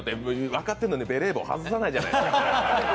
分かってるのにベレー帽外さないじゃないですか。